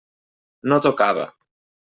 No tocava.